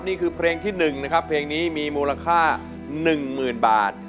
นี่คือเพลงที่หนึ่งนะครับเพลงนี้มีมูลค่า๑๐๐๐๐๐๐บาท